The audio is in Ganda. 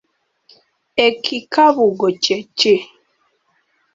Ekikaabugo kye ki?